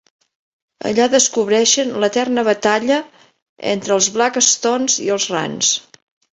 Allà descobreixen l'eterna batalla entre els Blackstones i els Rands.